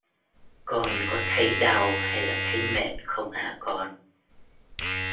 con có thấy đau hay là thấy mệt không hả con